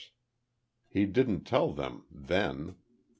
He didn't tell them, then.